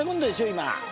今。